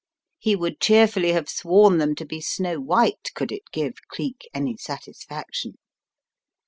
He would cheerfully have sworn them to be snow white could it give Cleek any satisfaction.